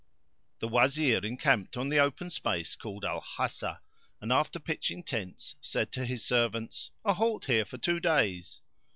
The Wazir encamped on the open space called Al Hasa; [FN#454] and, after pitching tents, said to his servants, "A halt here for two days!"